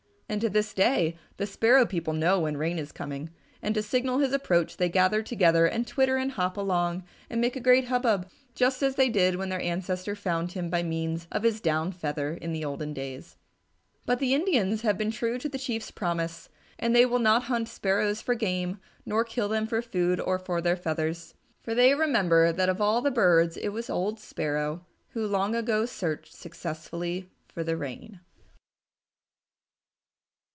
And to this day the Sparrow people know when Rain is coming, and to signal his approach they gather together and twitter and hop along and make a great hub bub, just as they did when their ancestor found him by means of his down feather in the olden days. But the Indians have been true to the Chief's promise, and they will not hunt Sparrows for game nor kill them for food or for their feathers. For they remember that of all the birds it was old Sparrow who long ago searched successfully for the Rain.